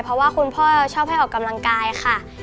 เพราะว่าคุณพ่อชอบให้ออกกำลังกายค่ะ